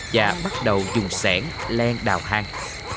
và bắt đầu dùng sẻn len đào hàng